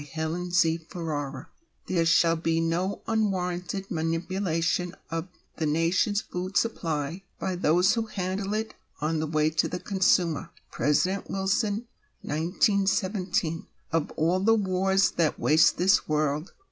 THE WAR OF BREAD "There shall he no unwarranted manipulation of the nation's food supply hy those who handle it on the way to the consumer — President Wilson. Of all the wars that waste this world.